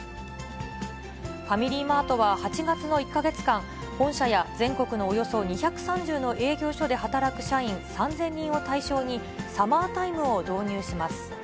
ファミリーマートは８月の１か月間、本社や、全国のおよそ２３０の営業所で働く社員３０００人を対象に、サマータイムを導入します。